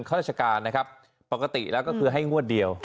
ข้าราชการนะครับปกติแล้วก็คือให้งวดเดียว